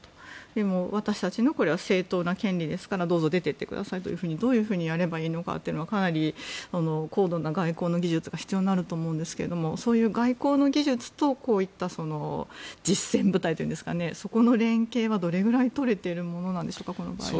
でも、私たちの正当な権利ですからどうぞ出ていってくださいとどういうふうにやればいいのかというのはかなり高度な外交な技術が必要になると思うんですけどそういう外交の技術とこういった実戦部隊の連携はどれくらいとれているものなんでしょうか。